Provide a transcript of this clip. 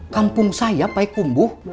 kampung saya pai kumbuh